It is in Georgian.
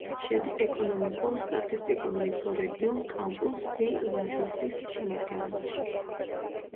შედის ეკონომიკურ-სტატისტიკურ მიკრორეგიონ კამპუს-დი-ლაჟისის შემადგენლობაში.